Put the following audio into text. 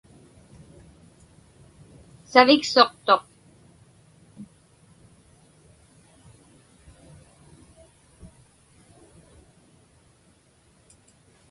Saviksuqtuq.